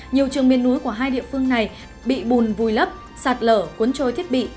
nhiều trường miền núi của hai địa phương này bị bùn vùi lấp sạt lở cuốn trôi thiết bị